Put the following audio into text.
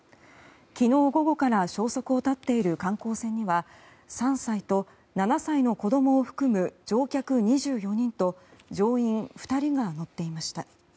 昨日午後から消息を絶っている観光船には３歳と７歳の子どもを含む乗客２４人と乗員２人が乗っていました。